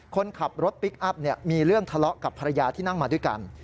คนขับรถพลิกอัพมีเรื่องทะเลาะกับภรรยาที่นั่งมาด้วยกัน